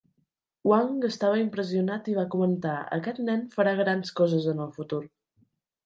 Wang estava impressionat i va comentar, aquest nen farà grans coses en el futur.